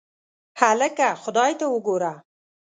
هکله خدای ته وګوره.